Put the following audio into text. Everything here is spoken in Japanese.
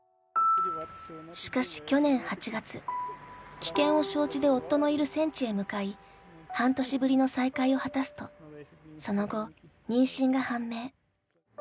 しかし去年８月、危険を承知で夫のいる戦地へ向かい半年ぶりの再会を果たすとその後、妊娠が判明。